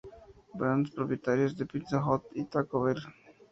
Brands, propietarios de Pizza Hut y Taco Bell.